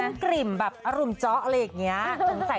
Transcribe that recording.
ยิ้มกุ้งกริมแบบอารุมเจาะอะไรอย่างนี้